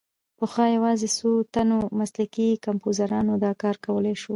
پخوا یوازې څو تنو مسلکي کمپوزرانو دا کار کولای شو.